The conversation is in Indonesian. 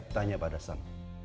tanya pada sam